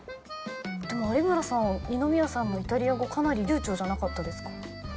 でも有村さん二宮さんのイタリア語かなり流ちょうじゃなかったですか？